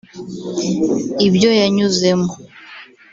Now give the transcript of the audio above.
ibyo yanyuzemo